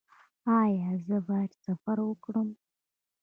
ایا زه باید سفر وکړم؟